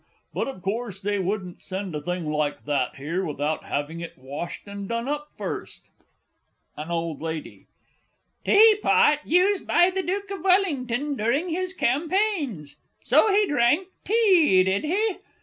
But, of course, they wouldn't send a thing like that here without having it washed and done up first! AN OLD LADY. "Teapot used by the Duke of Wellington during his campaigns." So he drank tea, did he?